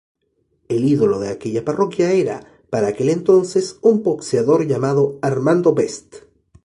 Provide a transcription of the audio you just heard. El ídolo de aquella parroquia era, para aquel entonces, un boxeador llamado Armando Best.